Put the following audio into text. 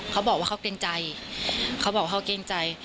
เขาบอกว่าเขาเกรงใจเขาบอกเขาเกรงใจ